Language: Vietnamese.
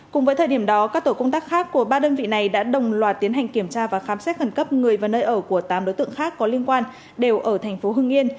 cùng với thời điểm đó các tổ công tác khác của ba đơn vị này đã đồng loạt tiến hành kiểm tra và khám xét khẩn cấp người và nơi ở của tám đối tượng khác có liên quan đều ở thành phố hưng yên